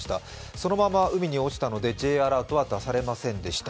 そのまま海に落ちたのでＪアラートは出されませんでした。